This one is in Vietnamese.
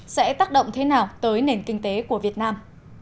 sẽ tác động thế nào tới nền kinh tế của việt nam